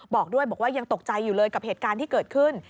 บอกด้วยบอกว่ายังตกใจอยู่เลยกับเหตุการณ์ที่เกิดขึ้น